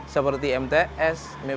seperti mts mep